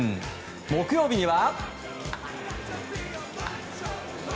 木曜日には。